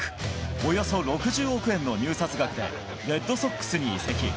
およそ６０億円の入札額でレッドソックスに移籍。